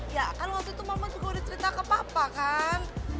ya kan waktu itu mama juga dicerita ke papa kan